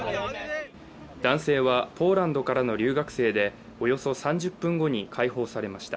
男性はポーランドからの留学生でおよそ３０分後に解放されました。